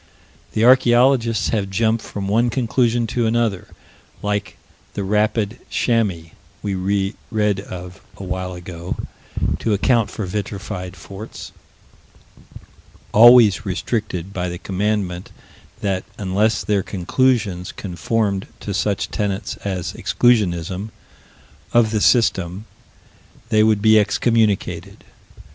The archaeologists have jumped from one conclusion to another, like the "rapid chamois" we read of a while ago, to account for vitrified forts, always restricted by the commandment that unless their conclusions conformed to such tenets as Exclusionism, of the System, they would be excommunicated.